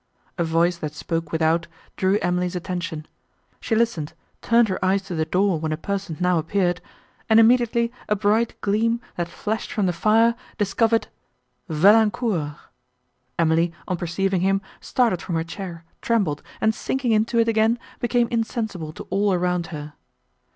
A voice, that spoke without, drew Emily's attention. She listened, turned her eyes to the door, when a person now appeared, and immediately a bright gleam, that flashed from the fire, discovered—Valancourt! Emily, on perceiving him, started from her chair, trembled, and, sinking into it again, became insensible to all around her.